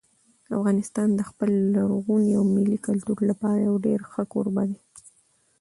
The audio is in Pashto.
افغانستان د خپل لرغوني او ملي کلتور لپاره یو ډېر ښه کوربه دی.